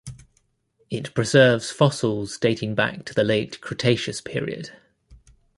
It preserves fossils dating back to the late Cretaceous period.